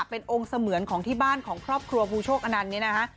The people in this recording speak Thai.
เป็นองค์เสมือนของที่บ้านของครอบครัวภูโชคอนันต์เนี่ยนะฮะ